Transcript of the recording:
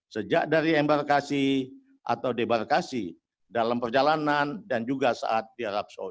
sejak dari embarkasi atau debarkasi dalam perjalanan dan juga saat di arab saudi